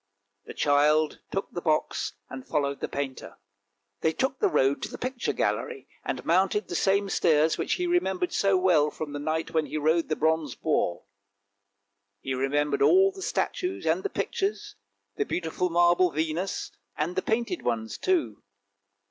The child took the box, and followed the painter. They took the road to the picture gallery, and mounted the same stairs which he remembered so well, from the night when he rode the bronze boar. He remembered all the statues and the pictures, the beautiful marble Venus, and the painted ones too.